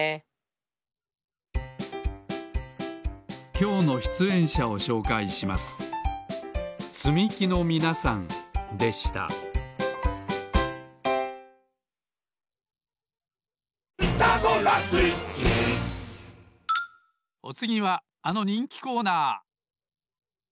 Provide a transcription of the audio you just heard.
きょうのしゅつえんしゃをしょうかいしますでしたおつぎはあのにんきコーナー！